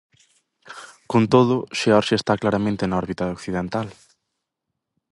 Con todo, Xeorxia está claramente na órbita occidental.